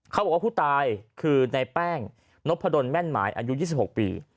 เขาบอกว่าผู้ตายคือในแป้งนพดลแม่นหมายอายุ๒๖ปี